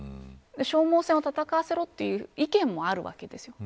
消耗戦を戦わせろという意見もあるわけです。